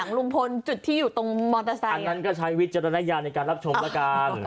อันนั้นก็ใช้วิจารณญาในการรับชมต่อกัน